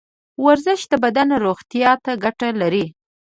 ورزش د بدن روغتیا ته ګټه لري.